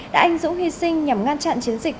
đã anh dũng hy sinh nhằm ngăn chặn chiến dịch